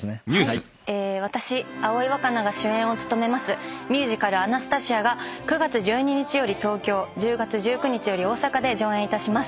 私葵わかなが主演を務めますミュージカル『アナスタシア』が９月１２日より東京１０月１９日より大阪で上演いたします。